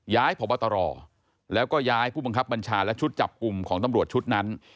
พบตรแล้วก็ย้ายผู้บังคับบัญชาและชุดจับกลุ่มของตำรวจชุดนั้น